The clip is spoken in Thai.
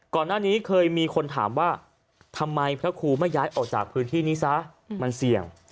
ก่อนหน้านี้เคยมีคนถามว่าทำไมพระครูไม่ย้ายออกจากพื้นที่นี้ซะมันเสี่ยง